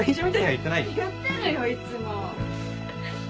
言ってるよいつも。